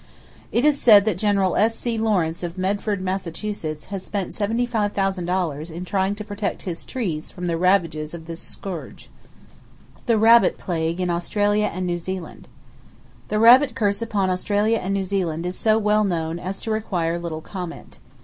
It is said that General S.C. Lawrence, of Medford, Massachusetts, has spent $75,000 in trying to protect his trees from the ravages of this scourge. The Rabbit Plague In Australia And New Zealand. —The rabbit curse upon Australia and New Zealand is so well known as to require little comment.